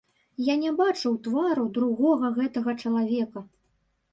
Я не бачыў твару другога гэтага чалавека.